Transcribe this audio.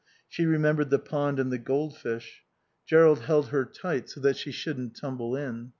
She remembered the pond and the goldfish. Jerrold held her tight so that she shouldn't tumble in.